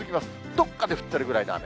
どっかで降ってるぐらいの雨。